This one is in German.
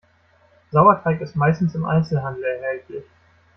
Sauerteig ist meistens im Einzelhandel erhältlich.